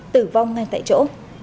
tử vong ngay tại chỗ